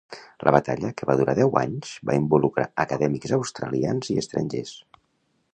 La batalla, que va durar deu anys, va involucrar acadèmics australians i estrangers.